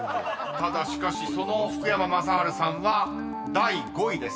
［ただしかしその福山雅治さんは第５位です］